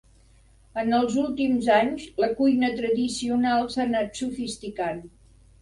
En els últims anys, la cuina tradicional s'ha anat sofisticant.